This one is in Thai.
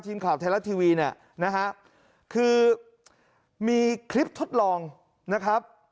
ทีมขวับไทยลักษณ์ทีวีคือมีคลิปทดลองนะครับ